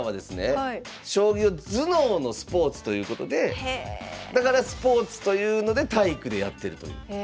将棋を頭脳のスポーツということでだからスポーツというので体育でやってるという。